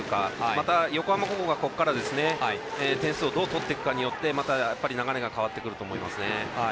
また、横浜高校がここから点数をどう取っていくかによってまた流れが変わってくると思いますね。